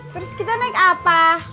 terus kita naik apa